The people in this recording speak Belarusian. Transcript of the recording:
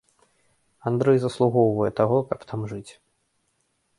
Андрэй заслугоўвае таго, каб там жыць.